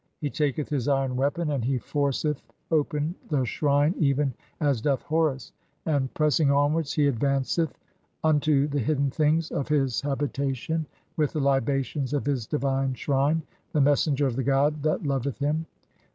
He taketh his iron weapon "and he forceth open the shrine even as doth Horus, and press ing onwards he advanceth unto the hidden things of his habi tation with the libations of (6) his divine shrine ; the messenger "of the god that loveth him.